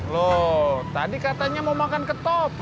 loh tadi katanya mau makan ketop